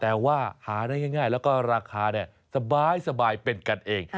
แต่ว่าหาได้ง่ายแล้วก็ราคาสบายเป็นกันเอง